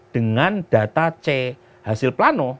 dengan data c hasil plano